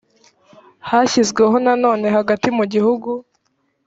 hashyizweho na none hagati mu gihugu